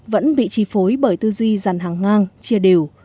vẫn bị chi phối bởi tư duy dàn hàng ngang chia đều